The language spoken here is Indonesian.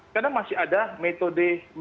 karena masih ada metode